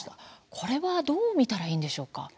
これはどう見たらいいのでしょうか。